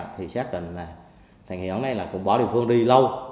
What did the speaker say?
thì xác định là thằng hiển này bỏ địa phương đi lâu